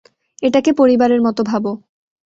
এটাকে পরিবারের মতো ভাবো।